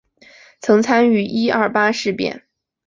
曾参与一二八事变。